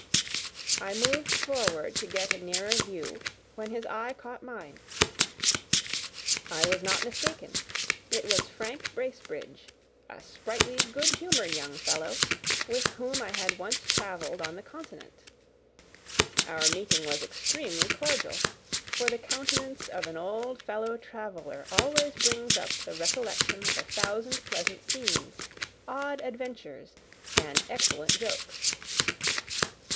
I moved forward to get a nearer view, when his eye caught mine. I was not mistaken; it was Frank Bracebridge, a sprightly, good humoured young fellow, with whom I had once travelled on the Continent. Our meeting was extremely cordial; for the countenance of an old fellow traveller always brings up the recollection of a thousand pleasant scenes, odd adventures, and excellent jokes.